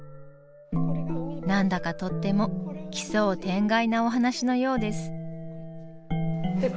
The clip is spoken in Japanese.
なんだかとっても奇想天外なお話のようです。